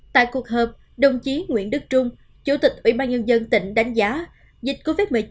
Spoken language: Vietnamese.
tại cuộc họp đồng chí nguyễn đức trung chủ tịch ủy ban nhân dân tỉnh đánh giá dịch covid một mươi chín